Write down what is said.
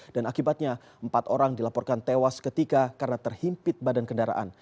dan akibatnya empat orang dilaporkan tewas ketika karena terhimpit badan kendaraan